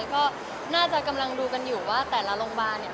ก็น่าจะกำลังดูกันอยู่ว่าแต่ละโรงพยาบาลเนี่ย